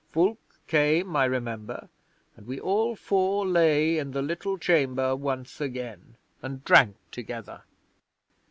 Fulke came, I remember, and we all four lay in the little chamber once again, and drank together.